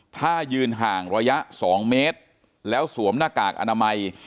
ถ้ายืนห่างระยะ๒เมตรแล้วสวมหน้ากากอนามัย